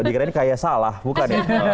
dikira ini kayak salah bukan ya